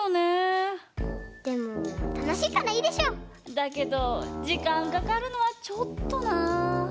だけどじかんかかるのはちょっとなぁ。